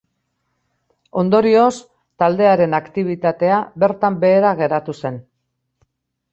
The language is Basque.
Ondorioz, taldearen aktibitatea bertan behera geratu zen.